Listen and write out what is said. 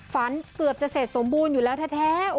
ฝันเกือบจะเสร็จสมบูรณ์อยู่แล้วแท้